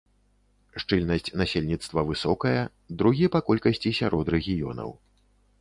Шчыльнасць насельніцтва высокая, другі па колькасці сярод рэгіёнаў.